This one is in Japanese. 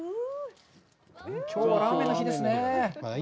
きょうはラーメンの日ですね。